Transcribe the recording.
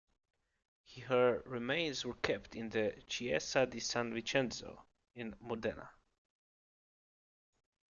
Her remains were kept in the Chiesa di San Vincenzo in Modena.